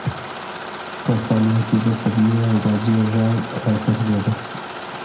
په سالون کې د تبلې او باجې غږ راګرځېده.